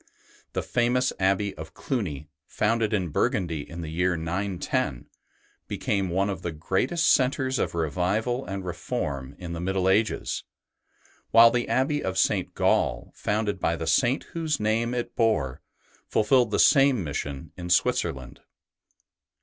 The famous Abbey of Cluny, founded in Burgundy in the year 910, became one of the greatest centres of revival and reform in the Middle Ages, while the Abbey of St. Gall, founded by the Saint whose name it bore, fulfilled the same mission in Switzerland.